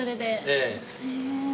ええ。